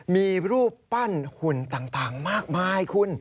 มีรูปปั้นหุ่นต่างมากมายคุณ